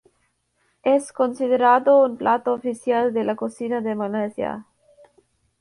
Es considerado un plato oficial de la cocina de Malasia.